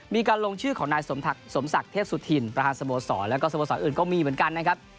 มีการลงชื่อของนายสมศักดิ์เทพสุธินประธานสโมสรแล้วก็สโมสรอื่นก็มีเหมือนกันนะครับ